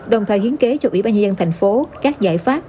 đồng thời hiến kế cho ủy ban nhân dân thành phố các giải pháp